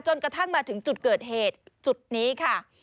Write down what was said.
กระทั่งมาถึงจุดเกิดเหตุจุดนี้ค่ะ